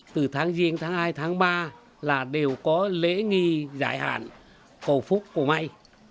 từ tháng riêng tháng hai tháng ba là đều có lễ nghi giải hạn cầu phúc cầu may